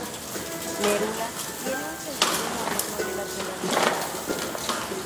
Merula tenía un sentido moderno de la tonalidad.